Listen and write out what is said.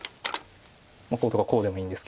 こうとかこうでもいいんですけど。